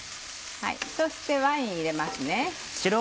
そしてワイン入れます。